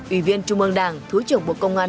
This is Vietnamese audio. ủy viên trung ương đảng thứ trưởng bộ công an